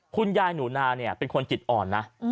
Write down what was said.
คุณยายหนูนาเนี่ยเป็นคนจิตอ่อนนะ